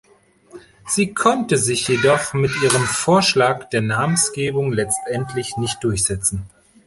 Sie konnte sich jedoch mit ihrem Vorschlag der Namensgebung letztendlich nicht durchsetzen.